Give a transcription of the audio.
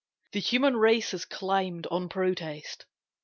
The human race Has climbed on protest.